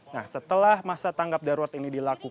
nah setelah masa tanggap darurat ini dilakukan